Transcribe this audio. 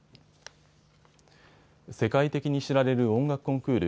世界的に知られる音楽コンクール